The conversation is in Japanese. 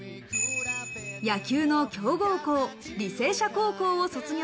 野球の強豪校、履正社高校を卒業。